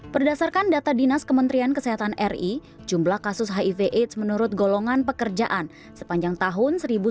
berdasarkan data dinas kementerian kesehatan ri jumlah kasus hiv aids menurut golongan pekerjaan sepanjang tahun seribu sembilan ratus delapan puluh tujuh hingga juni dua ribu dua puluh